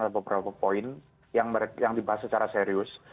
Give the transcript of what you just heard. beberapa poin yang dibahas secara serius